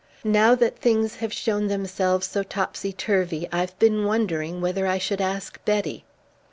Now that things have shown themselves so topsy turvy I've been wondering whether I should ask Betty."